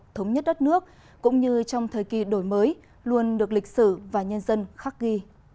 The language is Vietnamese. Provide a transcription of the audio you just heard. thống nhất đất nước cũng như trong thời kỳ đổi mới luôn được lịch sử và nhân dân khắc ghi